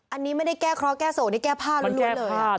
อันนี้ไม่ได้แก้เคราะห์แก้โศกเนี้ยแก้พลาดมันแก้พลาด